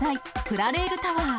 プラレールタワー。